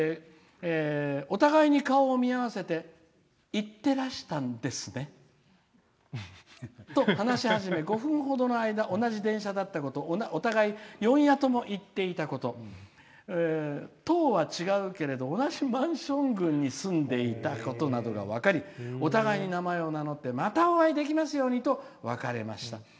「お互いに顔を見合わせていってらしたんですね、と話始め５分ほど同じ電車だったことお互い、四夜とも行っていたこと棟は違うけれど同じマンション群に住んでいたことが分かりお互いに名前を名乗りまたお会いできますようにと別れました。